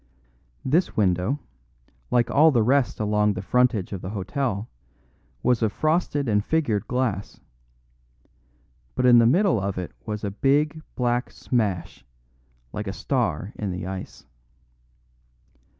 This window, like all the rest along the frontage of the hotel, was of frosted and figured glass; but in the middle of it was a big, black smash, like a star in the ice.